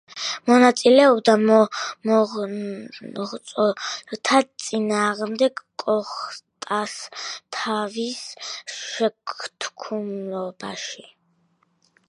მონაწილეობდა მონღოლთა წინააღმდეგ კოხტასთავის შეთქმულებაში.